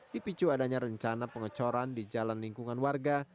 dipicu adanya rencana pengecoran di jalan lingkungan warga